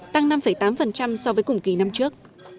tăng năm tám so với cùng kỳ năm trước